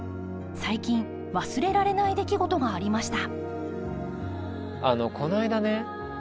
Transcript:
最近忘れられない出来事がありました。